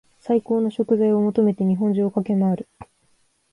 最高の食材を求めて日本中を駆け回る